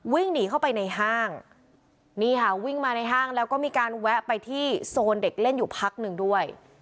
วิ่งหนีเข้าไปในห้างนี่ค่ะวิ่งมาในห้างแล้วก็มีการแวะไปที่โซนเด็กเล่นอยู่พักหนึ่งด้วย